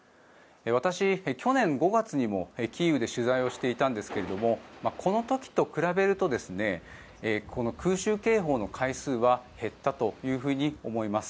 私、去年５月にもキーウで取材をしていたんですがこの時と比べると空襲警報の回数は減ったというふうに思います。